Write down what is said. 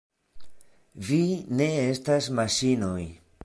Vi ne estas maŝinoj!